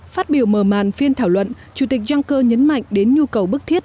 phát biểu mờ màn phiên thảo luận chủ tịch juncker nhấn mạnh đến nhu cầu bức thiết